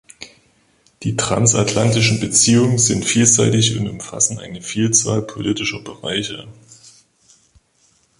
Die transatlantischen Beziehungen sind vielseitig und umfassen eine Vielzahl politischer Bereiche.